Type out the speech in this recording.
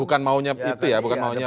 bukan maunya itu ya bukan maunya